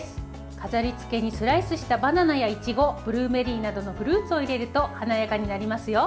飾り付けにスライスしたバナナやイチゴブルーベリーなどのフルーツを入れると華やかになりますよ。